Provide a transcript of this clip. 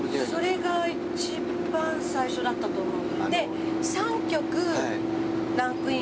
それが一番最初だったと思う。